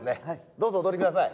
どうぞお通りください。